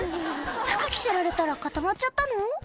服着せられたら固まっちゃったの？